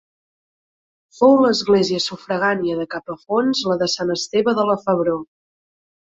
Fou església sufragània de Capafonts la de sant Esteve de la Febró.